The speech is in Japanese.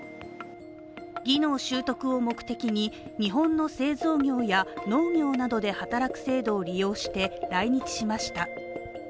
技能習得を目的に日本の製造業や農業などで働く制度を利用して来日しました。